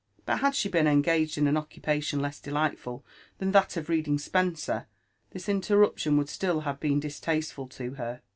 But had she been engaged in an occupation less delightful than that of reading Spenser, this interrup tion would still have been distasteful to her.